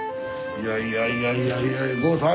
いやいやいやいや郷さん